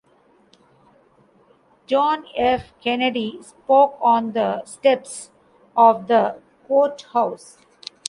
John F. Kennedy spoke on the steps of the courthouse.